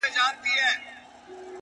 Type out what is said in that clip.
د سه شنبې د ورځې بنگ چي لا په ذهن کي دی;